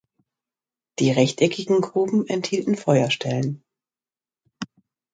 Die rechteckigen Gruben enthielten Feuerstellen.